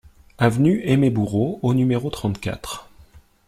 Avenue Aimé Bourreau au numéro trente-quatre